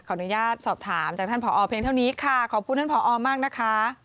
อนุญาตสอบถามจากท่านผอเพียงเท่านี้ค่ะขอบคุณท่านผอมากนะคะ